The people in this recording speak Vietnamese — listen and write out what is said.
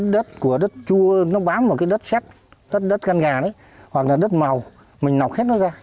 đất của đất chua nó bám vào cái đất xét đất đất căn nhà đấy hoặc là đất màu mình nọc hết nó ra